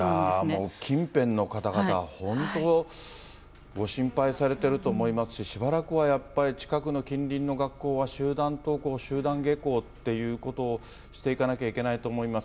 いや、もう近辺の方々は本当、ご心配されてると思いますし、しばらくはやっぱり、近くの近隣の学校は、集団登校、集団下校っていうことをしていかなきゃいけないと思います。